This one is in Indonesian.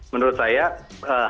menurut saya hasil out